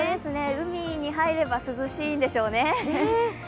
海に入れば涼しいんでしょうね。